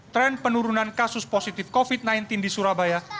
tren penurunan kasus positif covid sembilan belas di surabaya